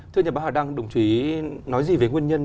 thưa nhà báo hà đăng đồng chí nói gì về nguyên nhân